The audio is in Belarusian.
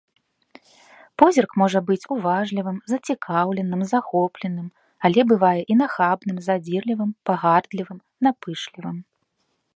Позірк можа быць уважлівым, зацікаўленым, захопленым, але бывае і нахабным, задзірлівым, пагардлівым, напышлівым.